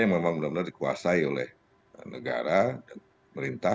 yang memang benar benar dikuasai oleh negara dan pemerintah